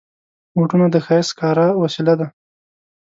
بوټونه د ښایست ښکاره وسیله ده.